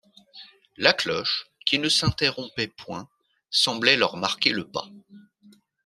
La cloche, qui ne s’interrompait point, semblait leur marquer le pas.